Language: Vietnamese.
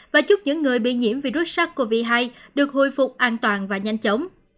và chúc những người bị nhiễm virus sars cov hai được hồi phục an toàn và nhanh chóng